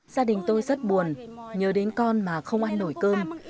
gia đình tôi rất buồn nhớ đến con mà không ăn nổi cơm